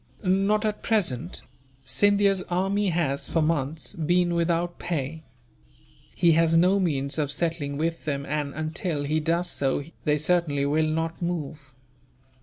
"Not at present. Scindia's army has, for months, been without pay. He has no means of settling with them and, until he does so, they certainly will not move."